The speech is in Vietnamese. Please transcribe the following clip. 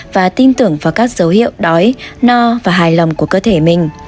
và tin tưởng vào các dấu hiệu đói no và hài lòng của cơ thể mình